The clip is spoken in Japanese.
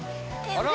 あら！